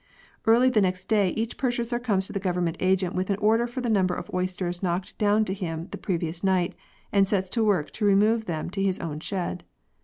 Early the next day each purchaser comes to the Government agent with an order for the number of oysters knocked down to him the previous night, and sets to work to remove them to his own shed.